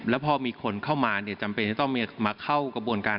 แล้วพอมีคนเข้ามาจำเป็นจะต้องมาเข้ากระบวนการ